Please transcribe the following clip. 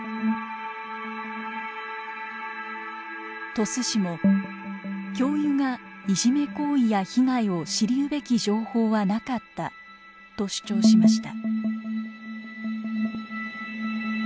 鳥栖市も「教諭がいじめ行為や被害を知りうべき情報はなかった」と主張しました。